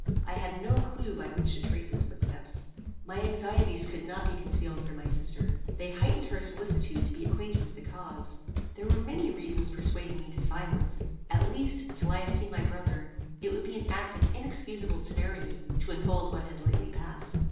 I had no clue by which to trace his footsteps. My anxieties could not be concealed from my sister. They heightened her solicitude to be acquainted with the cause. There were many reasons persuading me to silence: at least, till I had seen my brother, it would be an act of inexcusable temerity to unfold what had lately passed.